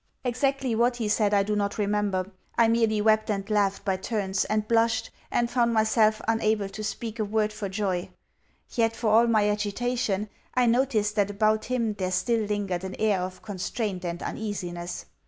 Exactly what he said I do not remember I merely wept and laughed by turns, and blushed, and found myself unable to speak a word for joy. Yet, for all my agitation, I noticed that about him there still lingered an air of constraint and uneasiness.